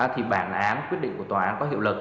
thì bản án quyết định của tòa án có hiệu lực